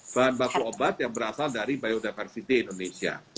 bahan baku obat yang berasal dari biodiversity indonesia